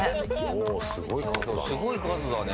おお、すごい数だな。